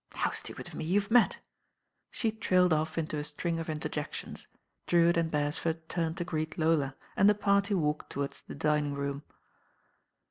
How stupid of me, you've met." Sh^ trailed off mto a string of interjections; Drewitt and Beres ford turned to greet Lola, and the party walked towards the dining room.